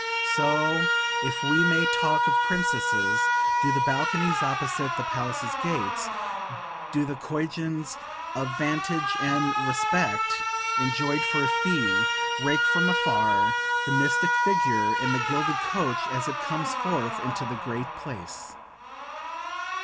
So, if we talk of princesses, do the balconies opposite the palace gates, do the coigns of vantage and respect enjoyed for a fee, rake from afar the mystic figure in the gilded coach as it comes forth into the great PLACE.